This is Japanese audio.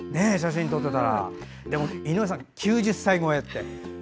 でも井上さん、９０歳超えって。